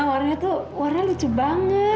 warnanya tuh warna lucu banget